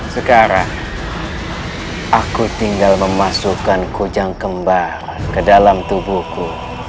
sekarang aku tinggal memasukkan kujang kembar ke dalam tubuhku